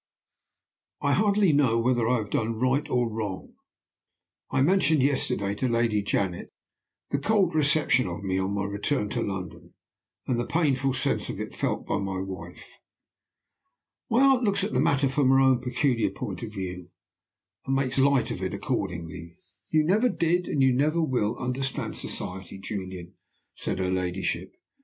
"I hardly know whether I have done right or wrong. I mentioned yesterday to Lady Janet the cold reception of me on my return to London, and the painful sense of it felt by my wife. "My aunt looks at the matter from her own peculiar point of view, and makes light of it accordingly. 'You never did, and never will, understand Society, Julian,' said her ladyship.